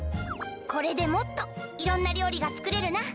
これでもっといろんなりょうりがつくれるな。